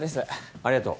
ありがとう。